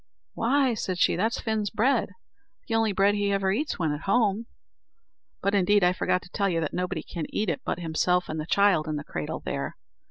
"Why," said she, "that's Fin's bread the only bread he ever eats when at home; but, indeed, I forgot to tell you that nobody can eat it but himself, and that child in the cradle there.